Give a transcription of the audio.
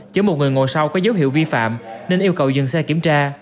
chở một người ngồi sau có dấu hiệu vi phạm nên yêu cầu dừng xe kiểm tra